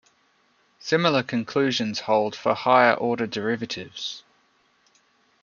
Similar conclusions hold for higher order derivatives.